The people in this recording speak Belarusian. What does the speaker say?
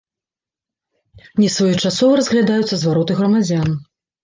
Нясвоечасова разглядаюцца звароты грамадзян.